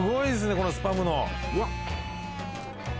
このスパムの。